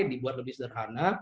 dibuat lebih sederhana